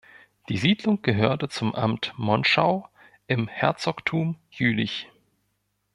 Die Siedlung gehörte zum Amt Monschau im Herzogtum Jülich.